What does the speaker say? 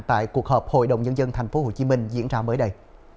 tại cuộc họp hội đồng nhân dân tp hcm diễn ra mới đây